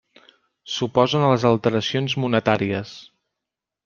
S'oposen a les alteracions monetàries.